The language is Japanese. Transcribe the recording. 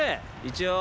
一応。